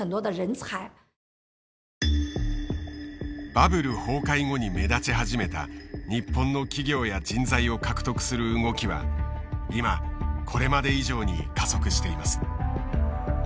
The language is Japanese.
バブル崩壊後に目立ち始めた日本の企業や人材を獲得する動きは今これまで以上に加速しています。